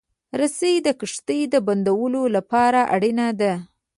رسۍ د کښتۍ د بندولو لپاره اړینه ده.